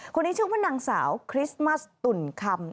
คนนี้ชื่อว่านางสาวคริสต์มัสตุ่นคำ